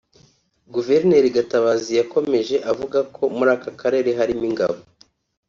Guverineri Gatabazi yakomeje avuga ko muri aka karere harimo Ingabo